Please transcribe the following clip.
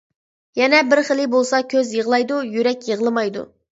يەنە بىر خىلى بولسا كۆز يىغلايدۇ، يۈرەك يىغىلمايدۇ.